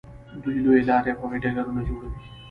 دوی لویې لارې او هوایي ډګرونه جوړوي.